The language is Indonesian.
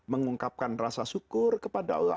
mengungkapkan rasa syukur kepada allah